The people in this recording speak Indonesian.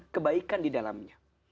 kebaikan di dalamnya